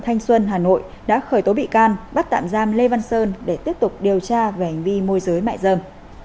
thanh xuân hà nội đã khởi tố bị can bắt tạm giam lê văn sơn để tiếp tục điều tra về hành vi môi giới mại dâm